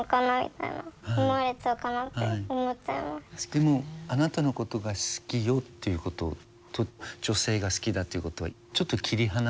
でもあなたのことが好きよっていうことと女性が好きだっていうことはちょっと切り離して。